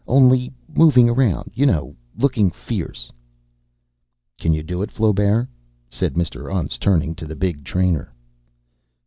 "Only moving around. You know looking fierce." "Can you do it, Flaubert?" said Mr. Untz, turning to the big trainer.